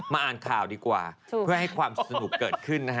อ่านข่าวดีกว่าเพื่อให้ความสนุกเกิดขึ้นนะฮะ